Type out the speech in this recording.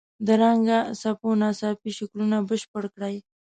د رنګه خپو ناڅاپي شکلونه بشپړ کړئ.